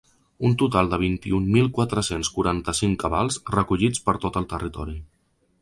Un total de vint-i-un mil quatre-cents quaranta-cinc avals recollits per tot el territori.